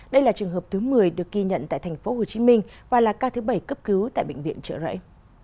đây là trường hợp thứ một mươi được ghi nhận tại tp hcm và là ca thứ bảy cấp cứu tại bệnh viện trợ rẫy